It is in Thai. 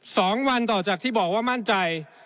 สองวันต่อจากที่บอกว่ามั่นใจ